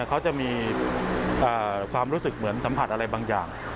เขาจะมีความรู้สึกเหมือนสัมผัสอะไรบางอย่าง